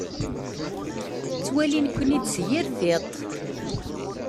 Ttwalin-ken-id s yir tiṭ.